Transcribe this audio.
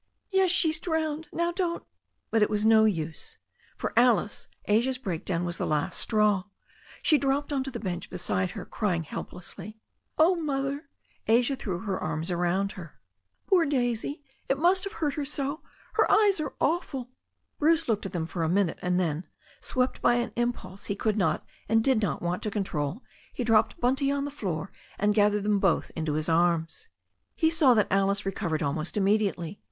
"Yes, she's drowned. Now don't " But it was no use. For Alice, Asia's break down was the last straw. She dropped onto the bench beside her, crying helplessly. "Oh, Mother," Asia threw her arms round her, "poor i84 THE STORY OF A NEW ZEALAND RIVER Daisy! It must have hurt her so. Her eyes are awful." Bruce looked at them for a minute, and then, swept by an impulse he could not and did not want to control, he dropped Bunty on the floor, and gathered them both into his arms. He saw that Alice recovered almost immediately.